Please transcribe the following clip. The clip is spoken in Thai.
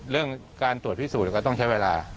เรื่องการตรวจพิสูจน์ก็ต้องใช้เวลา